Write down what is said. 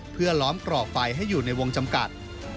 เพื่อล้อมกรอกไฟให้อยู่ในวงจำกัด